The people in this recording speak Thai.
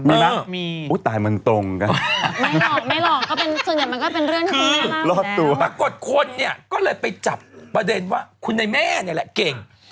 เทบอุ่มสมหรูปะกุณแม่